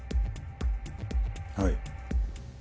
はい。